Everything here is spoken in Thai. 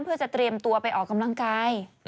เพื่อจะเตรียมตัวไปออกกำลังกาย